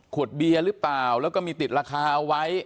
ขวดเบียรึป่าวแล้วก็มีติดราคาเอาไว้